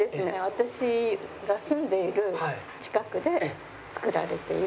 私が住んでいる近くで作られている。